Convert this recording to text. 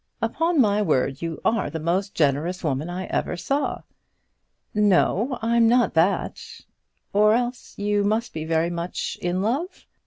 "Upon my word you are the most generous woman I ever saw." "No, I'm not that." "Or else you must be very much in love?"